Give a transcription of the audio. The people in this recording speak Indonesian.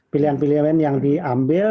pilihan pilihan yang diambil